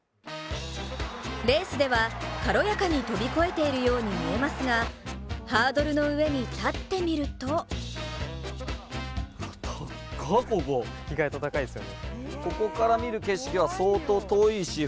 レースでは軽やかに飛び越えているように見えますが、ハードルの上に立ってみると初めてのチャレンジにしてはすごい。